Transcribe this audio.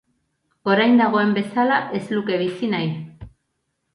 Orain dagoen bezala, ez luke bizi nahi.